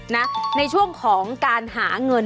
ในช่วงของการหาเงิน